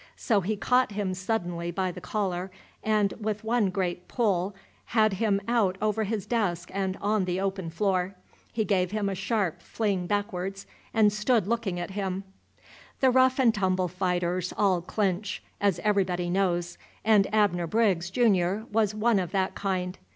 So he caught him suddenly by the collar, and, with one great pull, had him out over his desk and on the open floor. He gave him a sharp fling backwards and stood looking at him. The rough and tumble fighters all clinch, as everybody knows; and Abner Briggs, Junior, was one of that kind.